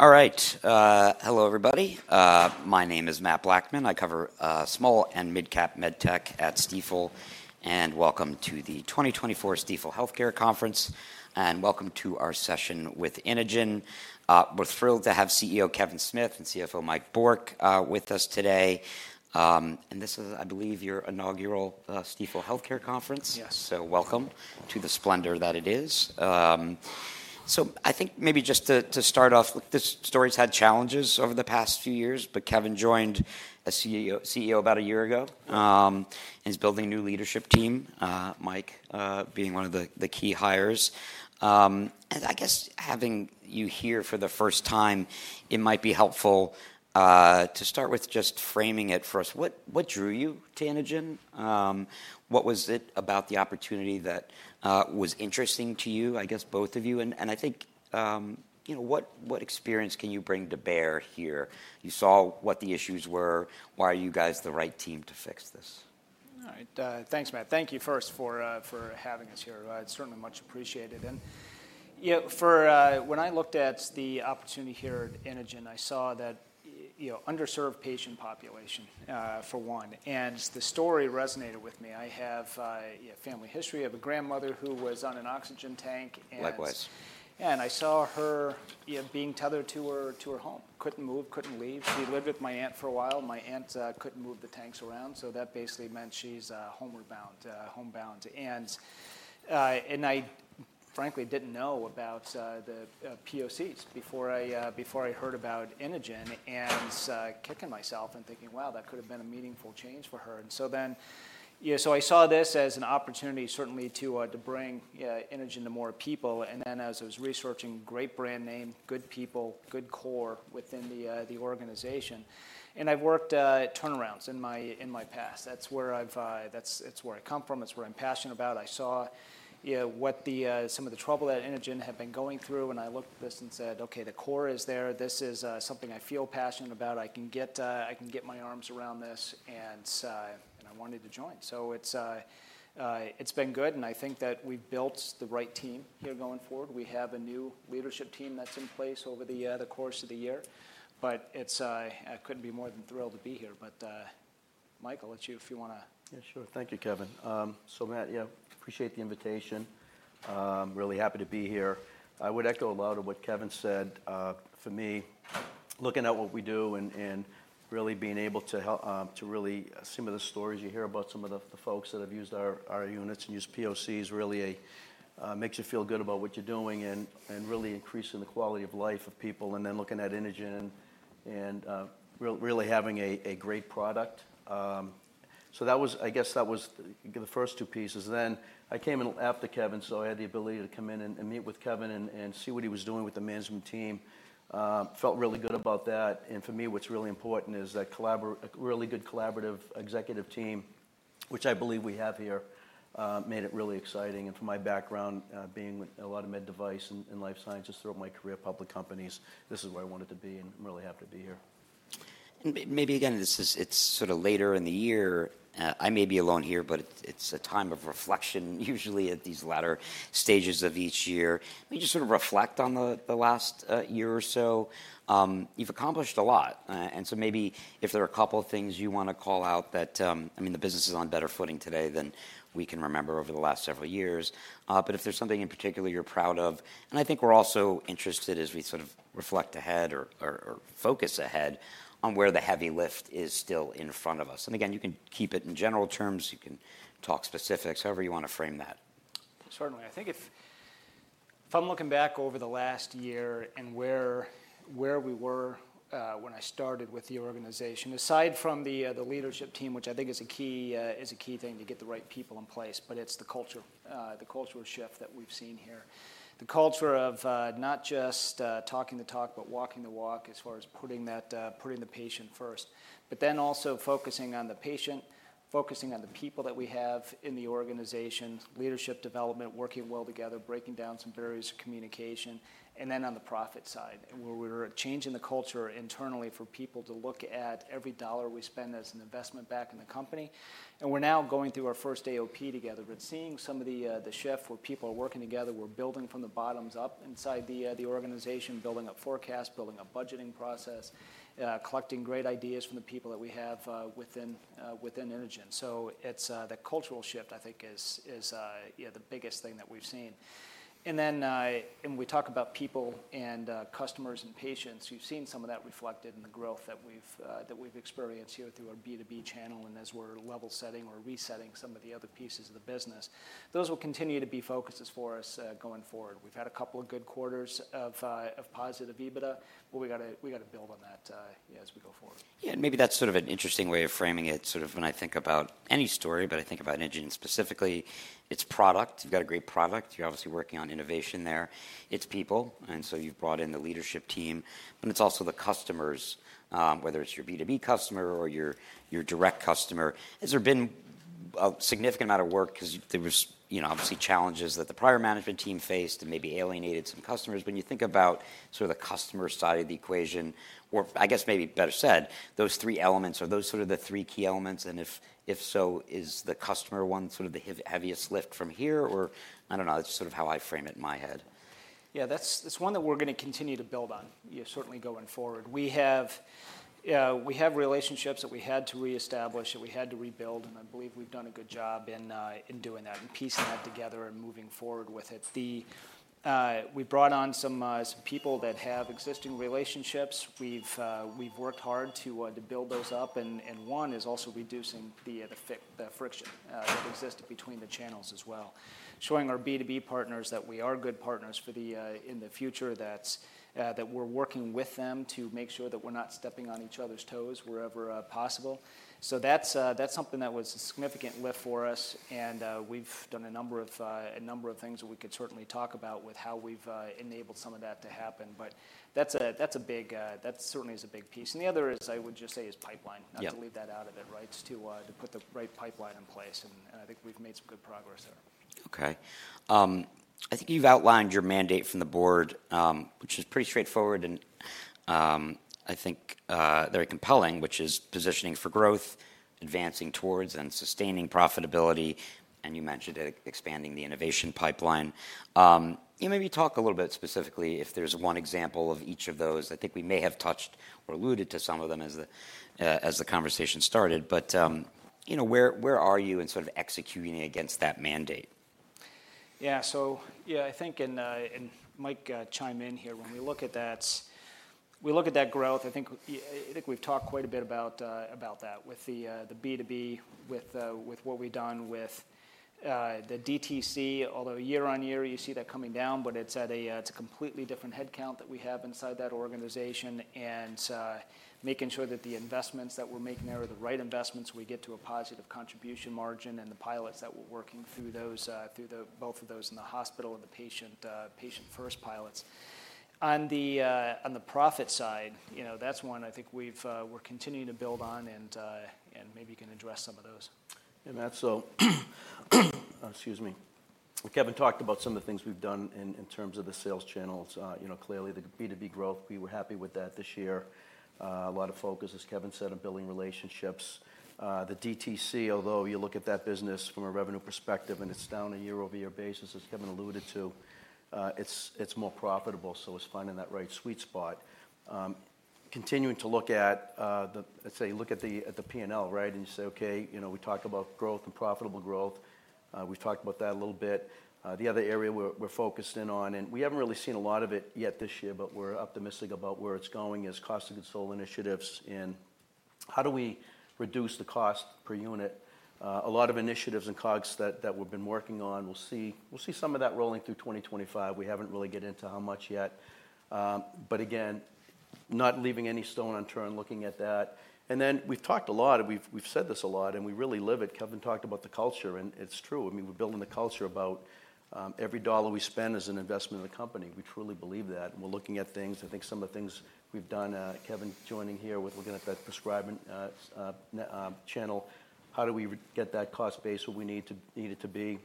All right. Hello, everybody. My name is Matt Blackman. I cover small and mid-cap med tech at Stifel. And welcome to the 2024 Stifel Healthcare Conference. And welcome to our session with Inogen. We're thrilled to have CEO Kevin Smith and CFO Mike Bourque with us today. And this is, I believe, your inaugural Stifel Healthcare Conference. Yes. So, welcome to the splendor that it is. So, I think maybe just to start off, this story has had challenges over the past few years. But Kevin joined as CEO about a year ago. And he's building a new leadership team, Mike being one of the key hires. And I guess having you here for the first time, it might be helpful to start with just framing it for us. What drew you to Inogen? What was it about the opportunity that was interesting to you, I guess, both of you? And I think, you know, what experience can you bring to bear here? You saw what the issues were. Why are you guys the right team to fix this? All right. Thanks, Matt. Thank you first for having us here. It's certainly much appreciated. And when I looked at the opportunity here at Inogen, I saw that underserved patient population, for one. And the story resonated with me. I have a family history. I have a grandmother who was on an oxygen tank. Likewise. I saw her being tethered to her home. Couldn't move, couldn't leave. She lived with my aunt for a while. My aunt couldn't move the tanks around. So that basically meant she's homebound. And I, frankly, didn't know about the POCs before I heard about Inogen. And kicking myself and thinking, wow, that could have been a meaningful change for her. And so then I saw this as an opportunity, certainly, to bring Inogen to more people. And then as I was researching, great brand name, good people, good core within the organization. And I've worked at turnarounds in my past. That's where I've come from. It's what I'm passionate about. I saw what some of the trouble that Inogen had been going through. And I looked at this and said, OK, the core is there. This is something I feel passionate about. I can get my arms around this. And I wanted to join. So it's been good. And I think that we've built the right team here going forward. We have a new leadership team that's in place over the course of the year. But I couldn't be more than thrilled to be here. But, Michael, it's you if you want to. Yeah, sure. Thank you, Kevin. So, Matt, yeah, appreciate the invitation. Really happy to be here. I would echo a lot of what Kevin said. For me, looking at what we do and really being able to really see some of the stories you hear about some of the folks that have used our units and used POCs, really makes you feel good about what you're doing and really increasing the quality of life of people. And then looking at Inogen and really having a great product. So that was, I guess, that was the first two pieces. Then I came after Kevin. So I had the ability to come in and meet with Kevin and see what he was doing with the management team. Felt really good about that. For me, what's really important is that really good collaborative executive team, which I believe we have here, made it really exciting. For my background, being a lot of med device and life sciences throughout my career at public companies, this is where I wanted to be. I'm really happy to be here. And maybe, again, it's sort of later in the year. I may be alone here, but it's a time of reflection, usually at these latter stages of each year. Maybe just sort of reflect on the last year or so. You've accomplished a lot. And so maybe if there are a couple of things you want to call out that, I mean, the business is on better footing today than we can remember over the last several years. But if there's something in particular you're proud of. And I think we're also interested as we sort of reflect ahead or focus ahead on where the heavy lift is still in front of us. And again, you can keep it in general terms. You can talk specifics, however you want to frame that. Certainly. I think if I'm looking back over the last year and where we were when I started with the organization, aside from the leadership team, which I think is a key thing to get the right people in place, but it's the culture shift that we've seen here. The culture of not just talking the talk, but walking the walk as far as putting the patient first, but then also focusing on the patient, focusing on the people that we have in the organization, leadership development, working well together, breaking down some barriers to communication, and then on the profit side, where we were changing the culture internally for people to look at every dollar we spend as an investment back in the company, and we're now going through our first AOP together. We're seeing some of the shift where people are working together. We're building from the bottoms up inside the organization, building up forecasts, building up budgeting process, collecting great ideas from the people that we have within Inogen, so it's the cultural shift, I think, is the biggest thing that we've seen, and then when we talk about people and customers and patients, you've seen some of that reflected in the growth that we've experienced here through our B2B channel and as we're level setting or resetting some of the other pieces of the business. Those will continue to be focuses for us going forward. We've had a couple of good quarters of positive EBITDA, but we've got to build on that as we go forward. Yeah, and maybe that's sort of an interesting way of framing it, sort of when I think about any story, but I think about Inogen specifically. It's product. You've got a great product. You're obviously working on innovation there. It's people. And so you've brought in the leadership team, and it's also the customers, whether it's your B2B customer or your direct customer. Has there been a significant amount of work because there were obviously challenges that the prior management team faced and maybe alienated some customers? When you think about sort of the customer side of the equation, or I guess maybe better said, those three elements, are those sort of the three key elements? And if so, is the customer one sort of the heaviest lift from here? Or I don't know. That's sort of how I frame it in my head. Yeah, that's one that we're going to continue to build on, certainly going forward. We have relationships that we had to reestablish and we had to rebuild, and I believe we've done a good job in doing that, in piecing that together and moving forward with it. We brought on some people that have existing relationships. We've worked hard to build those up, and one is also reducing the friction that existed between the channels as well, showing our B2B partners that we are good partners for the future, that we're working with them to make sure that we're not stepping on each other's toes wherever possible, so that's something that was a significant lift for us, and we've done a number of things that we could certainly talk about with how we've enabled some of that to happen, but that's a big... that certainly is a big piece. And the other is, I would just say, is pipeline. Not to leave that out of it, right, to put the right pipeline in place. And I think we've made some good progress there. OK. I think you've outlined your mandate from the board, which is pretty straightforward and I think very compelling, which is positioning for growth, advancing towards and sustaining profitability, and you mentioned expanding the innovation pipeline. Maybe talk a little bit specifically if there's one example of each of those. I think we may have touched or alluded to some of them as the conversation started, but where are you in sort of executing against that mandate? Yeah, so yeah, I think, and Mike, chime in here. When we look at that, we look at that growth. I think we've talked quite a bit about that with the B2B, with what we've done with the DTC. Although year on year, you see that coming down. But it's a completely different headcount that we have inside that organization. And making sure that the investments that we're making there are the right investments so we get to a positive contribution margin, and the pilots that we're working through, both of those in the hospital and the Patient First pilots. On the profit side, that's one I think we're continuing to build on and maybe can address some of those. Matt, so excuse me. Kevin talked about some of the things we've done in terms of the sales channels. Clearly, the B2B growth, we were happy with that this year. A lot of focus, as Kevin said, on building relationships. The DTC, although you look at that business from a revenue perspective, and it's down a year over year basis, as Kevin alluded to, it's more profitable. So it's finding that right sweet spot. Continuing to look at, let's say, look at the P&L, right? And you say, OK, we talked about growth and profitable growth. We've talked about that a little bit. The other area we're focused in on, and we haven't really seen a lot of it yet this year, but we're optimistic about where it's going, is cost of goods sold initiatives and how do we reduce the cost per unit. A lot of initiatives and COGS that we've been working on. We'll see some of that rolling through 2025. We haven't really gotten into how much yet. But again, not leaving any stone unturned, looking at that. And then we've talked a lot. We've said this a lot. And we really live it. Kevin talked about the culture. And it's true. I mean, we're building the culture about every dollar we spend is an investment in the company. We truly believe that. And we're looking at things. I think some of the things we've done, Kevin joining here, with looking at that prescribing channel, how do we get that cost base where we need it to be,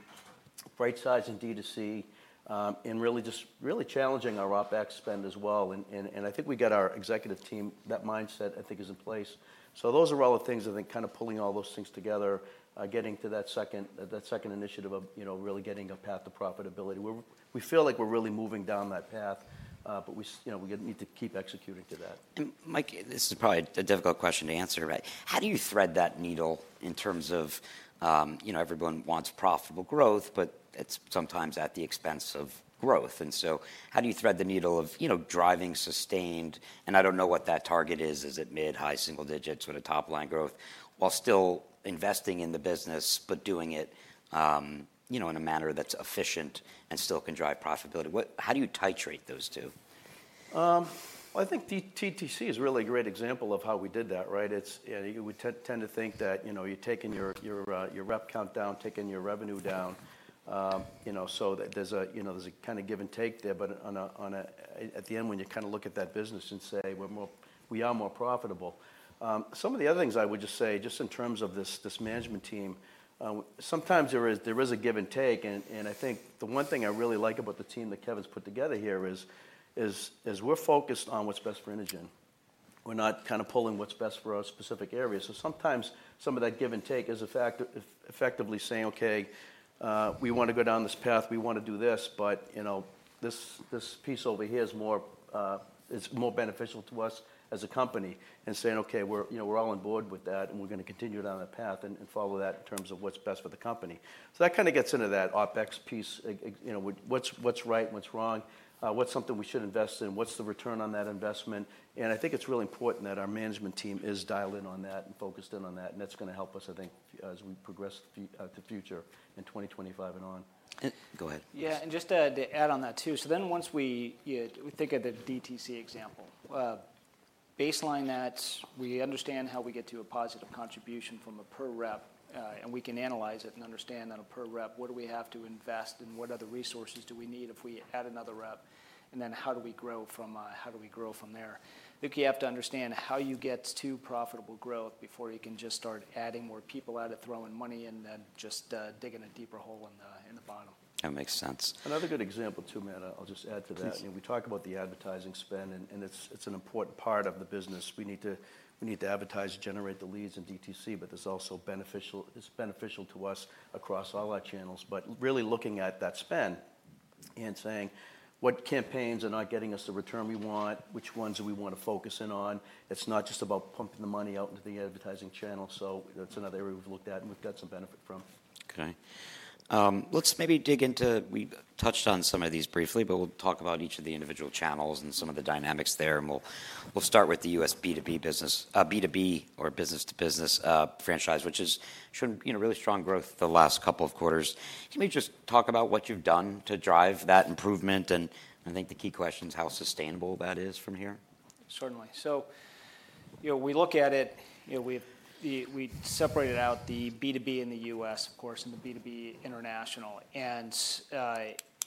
right-sizing DTC, and really just really challenging our OpEx spend as well. And I think we've got our executive team, that mindset, I think, is in place. So those are all the things, I think, kind of pulling all those things together, getting to that second initiative of really getting a path to profitability. We feel like we're really moving down that path. But we need to keep executing to that. And Mike, this is probably a difficult question to answer. But how do you thread that needle in terms of everyone wants profitable growth, but it's sometimes at the expense of growth? And so how do you thread that needle of driving sustained? And I don't know what that target is. Is it mid, high, single digits with a top line growth while still investing in the business, but doing it in a manner that's efficient and still can drive profitability? How do you titrate those two? I think DTC is a really great example of how we did that, right? We tend to think that you're taking your rep count down, taking your revenue down. So there's a kind of give and take there. But at the end, when you kind of look at that business and say, we are more profitable. Some of the other things I would just say, just in terms of this management team, sometimes there is a give and take. And I think the one thing I really like about the team that Kevin's put together here is we're focused on what's best for Inogen. We're not kind of pulling what's best for our specific areas. So sometimes some of that give and take is effectively saying, OK, we want to go down this path. We want to do this. But this piece over here is more beneficial to us as a company and saying, OK, we're all on board with that. And we're going to continue down that path and follow that in terms of what's best for the company. So that kind of gets into that OpEx piece, what's right and what's wrong, what's something we should invest in, what's the return on that investment. And I think it's really important that our management team is dialed in on that and focused in on that. And that's going to help us, I think, as we progress to the future in 2025 and on. Go ahead. Yeah, and just to add on that too. So then once we think of the DTC example, baseline that we understand how we get to a positive contribution from a per rep. And we can analyze it and understand that a per rep, what do we have to invest and what other resources do we need if we add another rep? And then how do we grow from there? I think you have to understand how you get to profitable growth before you can just start adding more people at it, throwing money in, and then just digging a deeper hole in the bottom. That makes sense. Another good example too, Matt. I'll just add to that. We talk about the advertising spend, and it's an important part of the business. We need to advertise, generate the leads in DTC, but it's also beneficial to us across all our channels, but really looking at that spend and saying, what campaigns are not getting us the return we want? Which ones do we want to focus in on? It's not just about pumping the money out into the advertising channel, so that's another area we've looked at and we've got some benefit from. OK. Let's maybe dig into. We touched on some of these briefly, but we'll talk about each of the individual channels and some of the dynamics there, and we'll start with the U.S. B2B business, B2B or business to business franchise, which has shown really strong growth the last couple of quarters. Can we just talk about what you've done to drive that improvement, and I think the key question is how sustainable that is from here. Certainly, so we look at it. We separated out the B2B in the U.S., of course, and the B2B international, and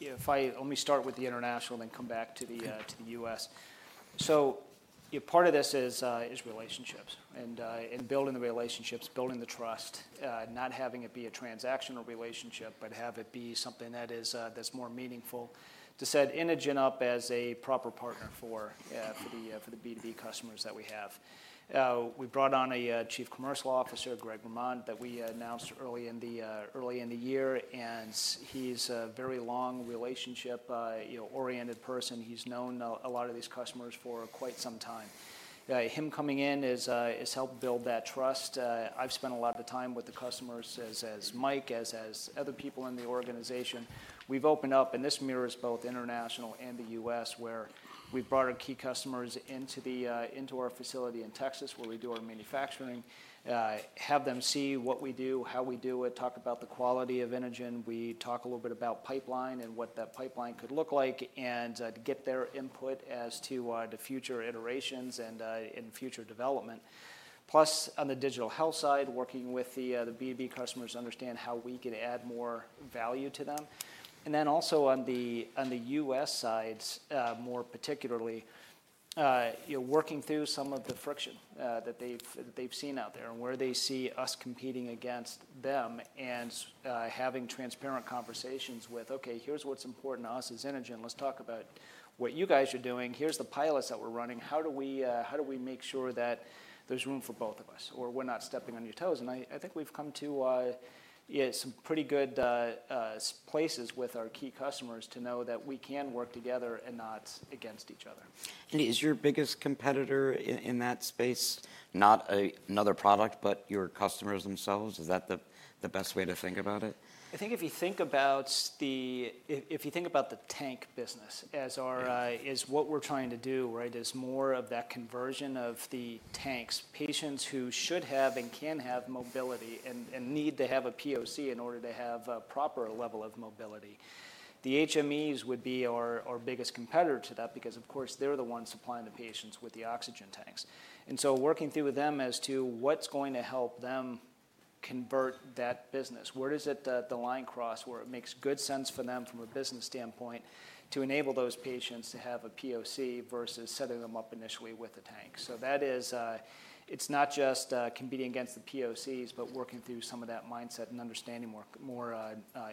if I only start with the international, then come back to the U.S., so part of this is relationships and building the relationships, building the trust, not having it be a transactional relationship, but have it be something that is more meaningful to set Inogen up as a proper partner for the B2B customers that we have. We brought on a Chief Commercial Officer, Greg Ramade, that we announced early in the year, and he's a very long relationship-oriented person. He's known a lot of these customers for quite some time. Him coming in has helped build that trust. I've spent a lot of the time with the customers, as Mike, as other people in the organization. We've opened up, and this mirrors both international and the U.S., where we've brought our key customers into our facility in Texas, where we do our manufacturing, have them see what we do, how we do it, talk about the quality of Inogen. We talk a little bit about pipeline and what that pipeline could look like and get their input as to the future iterations and future development. Plus, on the digital health side, working with the B2B customers to understand how we could add more value to them. And then also on the U.S. side, more particularly, working through some of the friction that they've seen out there and where they see us competing against them and having transparent conversations with, OK, here's what's important to us as Inogen. Let's talk about what you guys are doing. Here's the pilots that we're running. How do we make sure that there's room for both of us or we're not stepping on your toes? And I think we've come to some pretty good places with our key customers to know that we can work together and not against each other. Is your biggest competitor in that space not another product, but your customers themselves? Is that the best way to think about it? I think if you think about the tank business as what we're trying to do, right, is more of that conversion of the tanks, patients who should have and can have mobility and need to have a POC in order to have a proper level of mobility. The HMEs would be our biggest competitor to that because, of course, they're the ones supplying the patients with the oxygen tanks, and so working through with them as to what's going to help them convert that business, where does the line cross where it makes good sense for them from a business standpoint to enable those patients to have a POC versus setting them up initially with a tank, so it's not just competing against the POCs, but working through some of that mindset and understanding more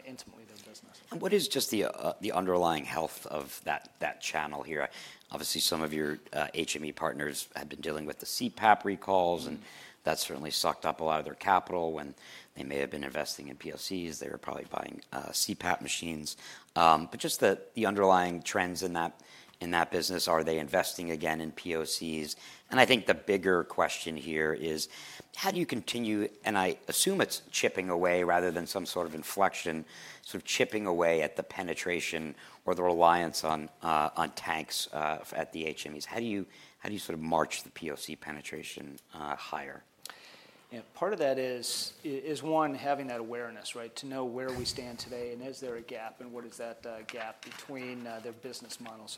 intimately their business. And what is just the underlying health of that channel here? Obviously, some of your HME partners have been dealing with the CPAP recalls. And that's certainly sucked up a lot of their capital. When they may have been investing in POCs, they were probably buying CPAP machines. But just the underlying trends in that business, are they investing again in POCs? And I think the bigger question here is, how do you continue, and I assume it's chipping away rather than some sort of inflection, sort of chipping away at the penetration or the reliance on tanks at the HMEs? How do you sort of march the POC penetration higher? Yeah, part of that is, one, having that awareness, right, to know where we stand today and is there a gap and what is that gap between their business models.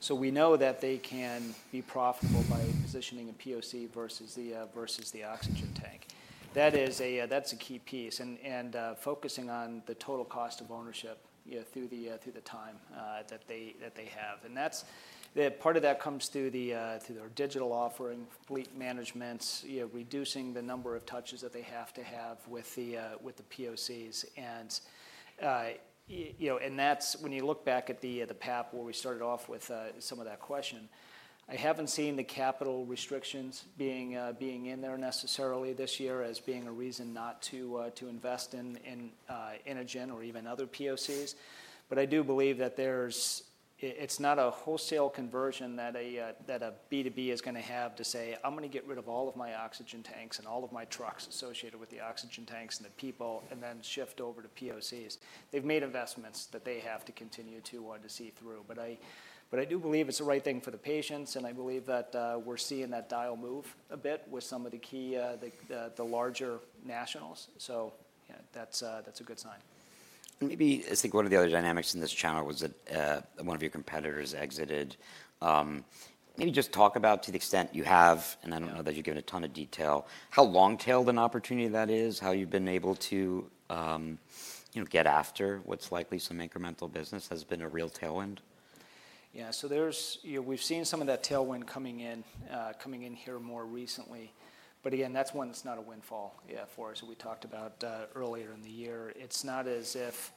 So we know that they can be profitable by positioning a POC versus the oxygen tank. That's a key piece. And focusing on the total cost of ownership through the time that they have. And part of that comes through their digital offering, fleet managements, reducing the number of touches that they have to have with the POCs. And that's when you look back at the CPAP, where we started off with some of that question. I haven't seen the capital restrictions being in there necessarily this year as being a reason not to invest in Inogen or even other POCs. But I do believe that it's not a wholesale conversion that a B2B is going to have to say, I'm going to get rid of all of my oxygen tanks and all of my trucks associated with the oxygen tanks and the people and then shift over to POCs. They've made investments that they have to continue to see through. But I do believe it's the right thing for the patients. And I believe that we're seeing that dial move a bit with some of the larger nationals. So yeah, that's a good sign. Maybe, I think one of the other dynamics in this channel was that one of your competitors exited. Maybe just talk about, to the extent you have, and I don't know that you've given a ton of detail, how long-tailed an opportunity that is, how you've been able to get after what's likely some incremental business has been a real tailwind. Yeah, so we've seen some of that tailwind coming in here more recently. But again, that's one that's not a windfall for us, as we talked about earlier in the year. It's not as if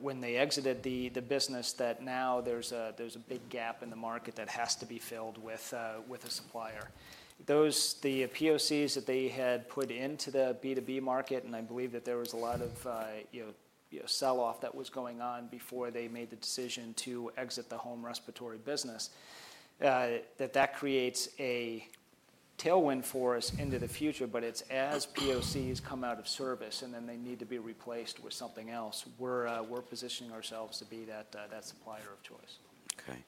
when they exited the business that now there's a big gap in the market that has to be filled with a supplier. The POCs that they had put into the B2B market, and I believe that there was a lot of sell-off that was going on before they made the decision to exit the home respiratory business, that that creates a tailwind for us into the future. But it's as POCs come out of service and then they need to be replaced with something else, we're positioning ourselves to be that supplier of choice. OK.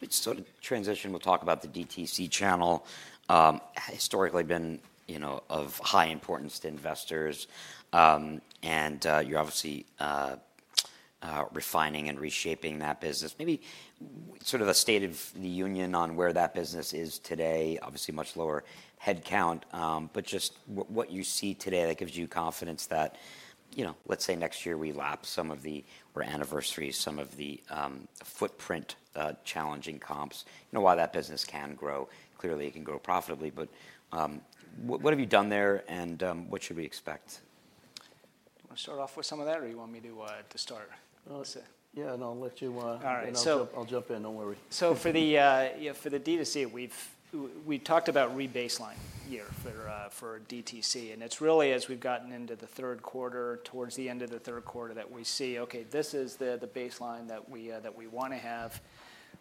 We just sort of transition. We'll talk about the DTC channel. Historically, it has been of high importance to investors, and you're obviously refining and reshaping that business. Maybe sort of a state of the union on where that business is today, obviously much lower headcount, but just what you see today that gives you confidence that, let's say next year we lap some of the or anniversaries, some of the footprint challenging comps. You know why that business can grow. Clearly, it can grow profitably, but what have you done there and what should we expect? Do you want to start off with some of that, or do you want me to start? I'll say. Yeah, and I'll let you. All right. I'll jump in. Don't worry. So for the DTC, we've talked about rebaseline year for DTC. And it's really as we've gotten into the third quarter, towards the end of the third quarter, that we see, OK, this is the baseline that we want to have.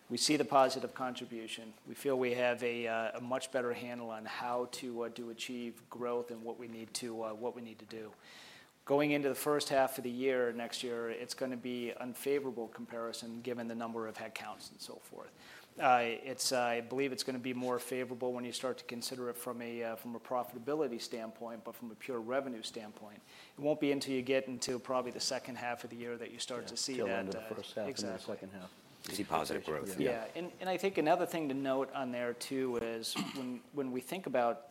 We see the positive contribution. We feel we have a much better handle on how to achieve growth and what we need to do. Going into the first half of the year next year, it's going to be an unfavorable comparison given the number of headcounts and so forth. I believe it's going to be more favorable when you start to consider it from a profitability standpoint, but from a pure revenue standpoint. It won't be until you get into probably the second half of the year that you start to see that. Until the first half and the second half. You see positive growth. Yeah, and I think another thing to note on there too is when we think about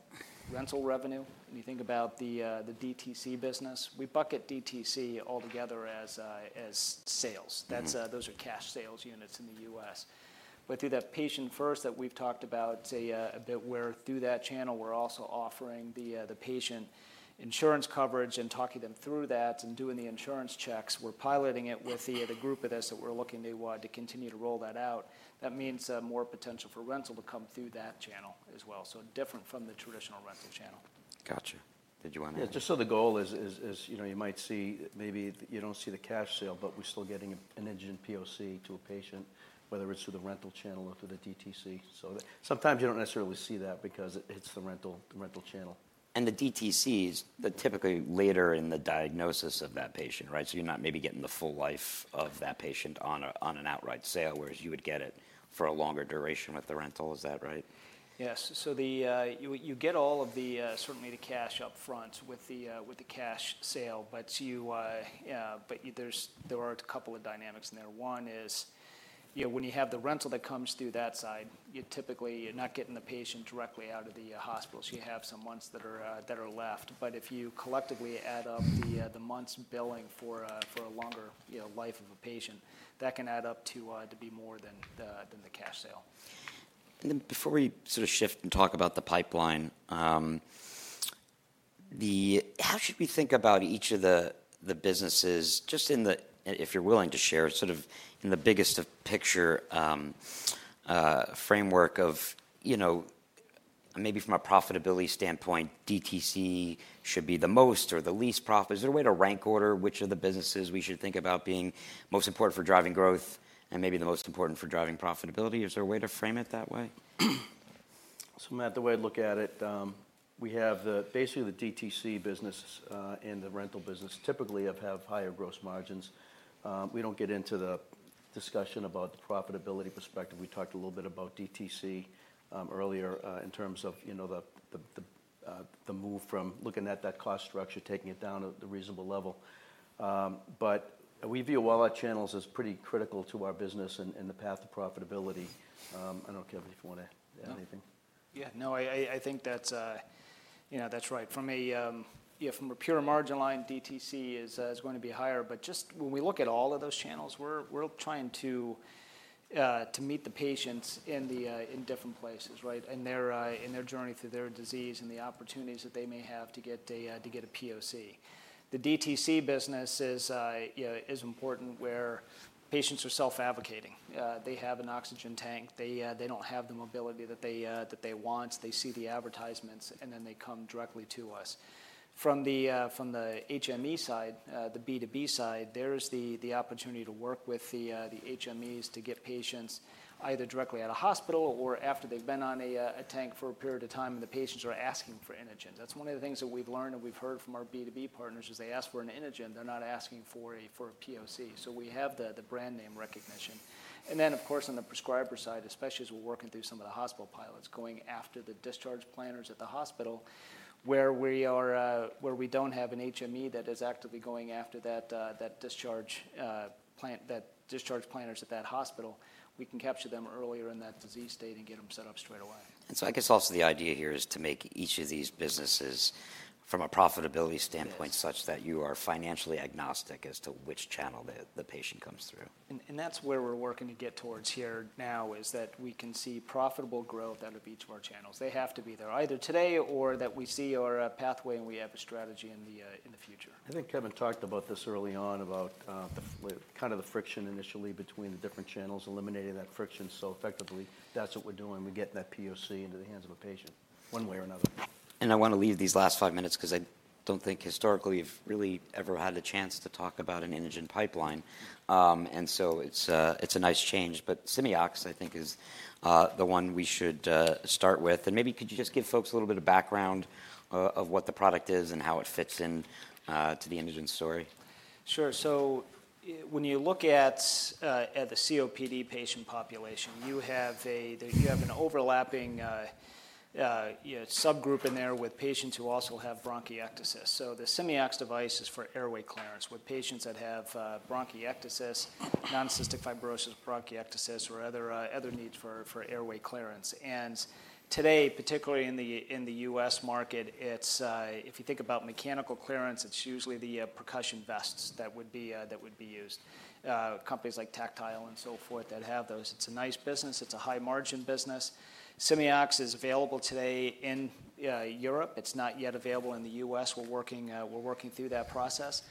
rental revenue, when you think about the DTC business, we bucket DTC altogether as sales. Those are cash sales units in the U.S. But through that patient-first that we've talked about a bit, where through that channel, we're also offering the patient insurance coverage and talking them through that and doing the insurance checks. We're piloting it with the group of users that we're looking to continue to roll that out. That means more potential for rental to come through that channel as well. So, different from the traditional rental channel. Gotcha. Did you want to? Yeah, just so the goal is you might see maybe you don't see the cash sale, but we're still getting an Inogen POC to a patient, whether it's through the rental channel or through the DTC. So sometimes you don't necessarily see that because it's the rental channel. And the DTC is typically later in the diagnosis of that patient, right? So you're not maybe getting the full life of that patient on an outright sale, whereas you would get it for a longer duration with the rental. Is that right? Yes, so you get all of the certainly the cash upfront with the cash sale. But there are a couple of dynamics in there. One is when you have the rental that comes through that side, typically you're not getting the patient directly out of the hospital. So you have some months that are left. But if you collectively add up the months billing for a longer life of a patient, that can add up to be more than the cash sale. And then before we sort of shift and talk about the pipeline, how should we think about each of the businesses just in the, if you're willing to share, sort of in the biggest picture framework of maybe from a profitability standpoint, DTC should be the most or the least profit? Is there a way to rank order which of the businesses we should think about being most important for driving growth and maybe the most important for driving profitability? Is there a way to frame it that way? So Matt, the way I look at it, we have basically the DTC business and the rental business typically have higher gross margins. We don't get into the discussion about the profitability perspective. We talked a little bit about DTC earlier in terms of the move from looking at that cost structure, taking it down to the reasonable level. But we view all our channels as pretty critical to our business and the path to profitability. I don't know, Kevin, if you want to add anything. Yeah, no, I think that's right. From a pure margin line, DTC is going to be higher. But just when we look at all of those channels, we're trying to meet the patients in different places, right, and their journey through their disease and the opportunities that they may have to get a POC. The DTC business is important where patients are self-advocating. They have an oxygen tank. They don't have the mobility that they want. They see the advertisements, and then they come directly to us. From the HME side, the B2B side, there is the opportunity to work with the HMEs to get patients either directly out of hospital or after they've been on a tank for a period of time and the patients are asking for Inogen. That's one of the things that we've learned and we've heard from our B2B partners is they ask for an Inogen. They're not asking for a POC. So we have the brand name recognition. And then, of course, on the prescriber side, especially as we're working through some of the hospital pilots going after the discharge planners at the hospital, where we don't have an HME that is actively going after that discharge planners at that hospital, we can capture them earlier in that disease state and get them set up straight away. And so I guess also the idea here is to make each of these businesses from a profitability standpoint such that you are financially agnostic as to which channel the patient comes through. That's where we're working to get towards here now is that we can see profitable growth out of each of our channels. They have to be there either today or that we see are a pathway and we have a strategy in the future. I think Kevin talked about this early on about kind of the friction initially between the different channels, eliminating that friction so effectively that's what we're doing. We get that POC into the hands of a patient one way or another. I want to leave these last five minutes because I don't think historically you've really ever had a chance to talk about an Inogen pipeline. So it's a nice change. But Simeox, I think, is the one we should start with. Maybe could you just give folks a little bit of background of what the product is and how it fits into the Inogen story? Sure. So when you look at the COPD patient population, you have an overlapping subgroup in there with patients who also have bronchiectasis. So the Simeox device is for airway clearance with patients that have bronchiectasis, non-cystic fibrosis, bronchiectasis, or other needs for airway clearance. And today, particularly in the U.S. market, if you think about mechanical clearance, it's usually the percussion vests that would be used, companies like Tactile and so forth that have those. It's a nice business. It's a high-margin business. Simeox is available today in Europe. It's not yet available in the U.S. We're working through that process.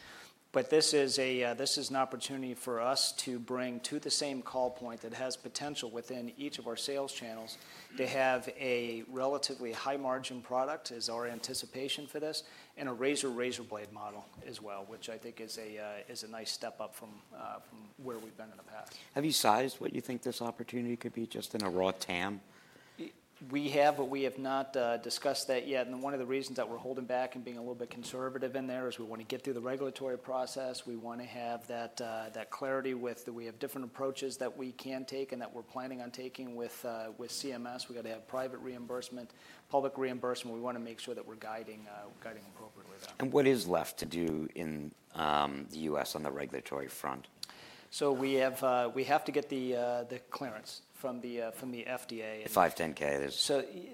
But this is an opportunity for us to bring to the same call point that has potential within each of our sales channels to have a relatively high-margin product, is our anticipation for this and a razor-razorblade model as well, which I think is a nice step up from where we've been in the past. Have you sized what you think this opportunity could be just in a raw TAM? We have, but we have not discussed that yet, and one of the reasons that we're holding back and being a little bit conservative in there is we want to get through the regulatory process. We want to have that clarity with that we have different approaches that we can take and that we're planning on taking with CMS. We've got to have private reimbursement, public reimbursement. We want to make sure that we're guiding appropriately there. What is left to do in the U.S. on the regulatory front? We have to get the clearance from the FDA. The 510(k).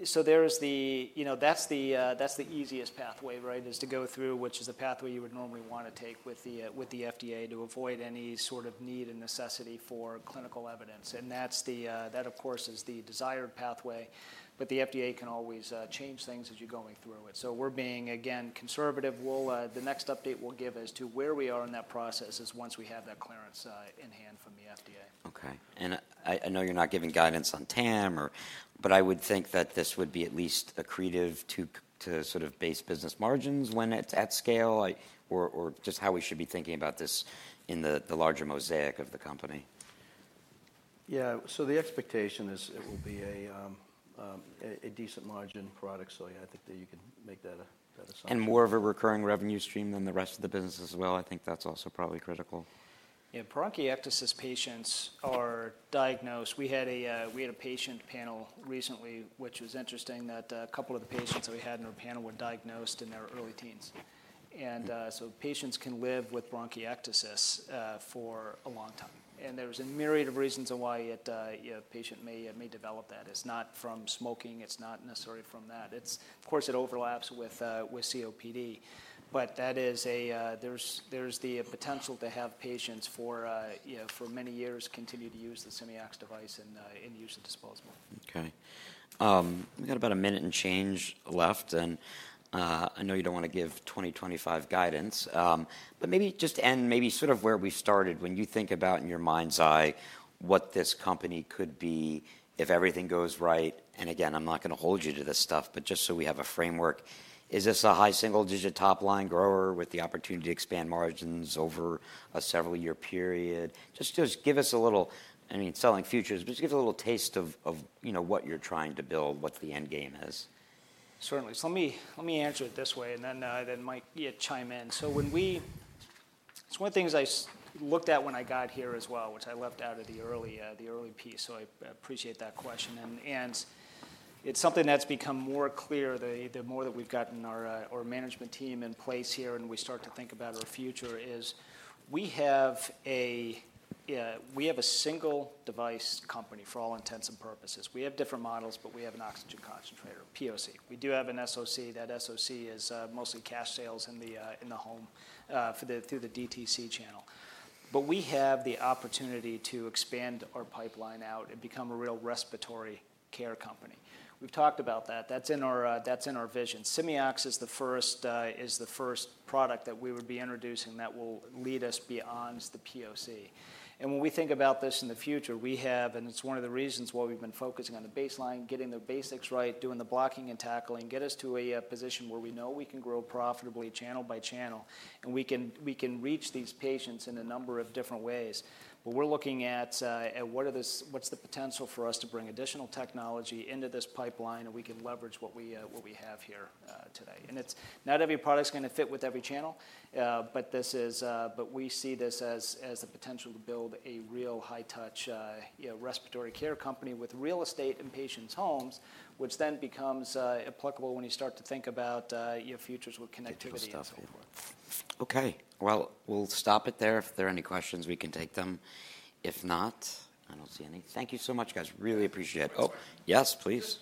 So that's the easiest pathway, right, is to go through, which is the pathway you would normally want to take with the FDA to avoid any sort of need and necessity for clinical evidence. And that, of course, is the desired pathway. But the FDA can always change things as you're going through it. So we're being, again, conservative. The next update we'll give as to where we are in that process is once we have that clearance in hand from the FDA. OK. And I know you're not giving guidance on TAM, but I would think that this would be at least accretive to sort of base business margins when it's at scale or just how we should be thinking about this in the larger mosaic of the company. Yeah, so the expectation is it will be a decent margin product, so yeah, I think that you can make that a size. and more of a recurring revenue stream than the rest of the business as well. I think that's also probably critical. Yeah, bronchiectasis patients are diagnosed. We had a patient panel recently which was interesting that a couple of the patients that we had in our panel were diagnosed in their early teens. And so patients can live with bronchiectasis for a long time. And there's a myriad of reasons why a patient may develop that. It's not from smoking. It's not necessarily from that. Of course, it overlaps with COPD. But there's the potential to have patients for many years continue to use the Simeox device and use a disposable. OK. We've got about a minute and change left. And I know you don't want to give 2025 guidance. But maybe just end sort of where we started when you think about in your mind's eye what this company could be if everything goes right. And again, I'm not going to hold you to this stuff, but just so we have a framework. Is this a high single-digit top line grower with the opportunity to expand margins over a several-year period? Just give us a little, I mean, selling futures, but just give us a little taste of what you're trying to build, what the end game is. Certainly. So let me answer it this way, and then Mike, chime in. So it's one of the things I looked at when I got here as well, which I left out of the early piece. So I appreciate that question. And it's something that's become more clear the more that we've gotten our management team in place here and we start to think about our future is we have a single device company for all intents and purposes. We have different models, but we have an oxygen concentrator, POC. We do have an SOC. That SOC is mostly cash sales in the home through the DTC channel. But we have the opportunity to expand our pipeline out and become a real respiratory care company. We've talked about that. That's in our vision. Simeox is the first product that we would be introducing that will lead us beyond the POC. And when we think about this in the future, we have, and it's one of the reasons why we've been focusing on the baseline, getting the basics right, doing the blocking and tackling, get us to a position where we know we can grow profitably channel by channel, and we can reach these patients in a number of different ways. But we're looking at what's the potential for us to bring additional technology into this pipeline and we can leverage what we have here today. And not every product is going to fit with every channel, but we see this as the potential to build a real high-touch respiratory care company with real estate and patients' homes, which then becomes applicable when you start to think about futures with connectivity. Future stuff. OK. Well, we'll stop it there. If there are any questions, we can take them. If not, I don't see any. Thank you so much, guys. Really appreciate it. Oh, yes, please.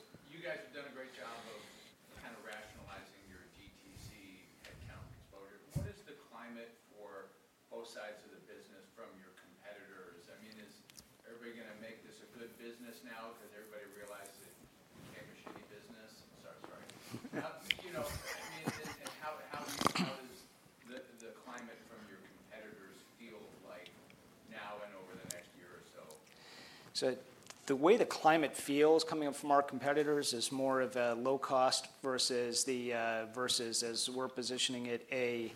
You guys have done a great job of kind of rationalizing your DTC headcount exposure. What is the climate for both sides of the business from your competitors? I mean, is everybody going to make this a good business now because everybody realized it can't be shitty business? Sorry, sorry. I mean, how does the climate from your competitors feel like now and over the next year or so? So the way the climate feels coming up from our competitors is more of a low cost versus, as we're positioning it, we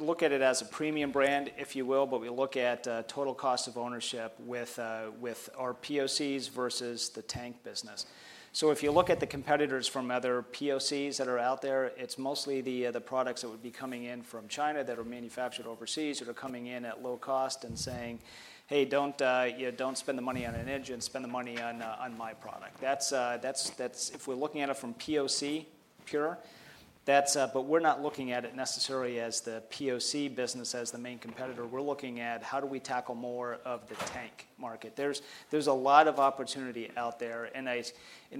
look at it as a premium brand, if you will, but we look at total cost of ownership with our POCs versus the tank business. So if you look at the competitors from other POCs that are out there, it's mostly the products that would be coming in from China that are manufactured overseas that are coming in at low cost and saying, hey, don't spend the money on an Inogen. Spend the money on my product. If we're looking at it from POC pure, but we're not looking at it necessarily as the POC business as the main competitor. We're looking at how do we tackle more of the tank market. There's a lot of opportunity out there. And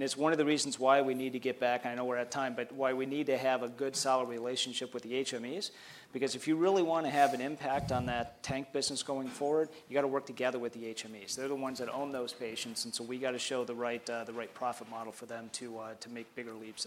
it's one of the reasons why we need to get back, and I know we're out of time, but why we need to have a good solid relationship with the HMEs because if you really want to have an impact on that tank business going forward, you've got to work together with the HMEs. They're the ones that own those patients. And so we've got to show the right profit model for them to make bigger leaps.